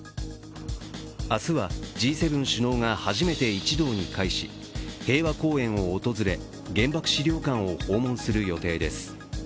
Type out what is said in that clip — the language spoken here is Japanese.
明日は、Ｇ７首脳が初めて一堂に会し平和公園を訪れ、原爆資料館を訪問する予定です。